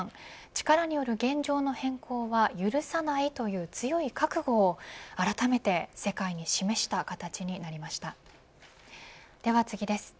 力による現状の変更は許さないという強い覚悟をあらためて世界に示した形になりました。